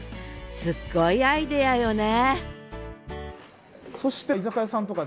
すごいアイデアよね